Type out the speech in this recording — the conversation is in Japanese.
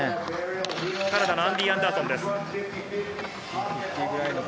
カナダのアンディー・アンダーソンです。